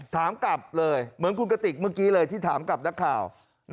ถามกลับเลยเหมือนคุณกติกเมื่อกี้เลยที่ถามกับนักข่าว